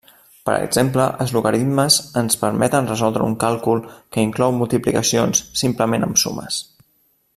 Per exemple, els logaritmes ens permeten resoldre un càlcul que inclou multiplicacions simplement amb sumes.